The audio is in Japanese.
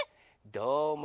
どうも。